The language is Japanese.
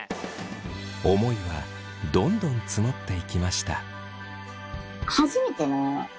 思いはどんどん募っていきました。